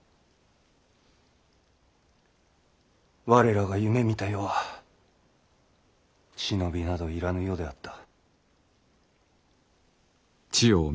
我らが夢みた世は忍びなど要らぬ世であった。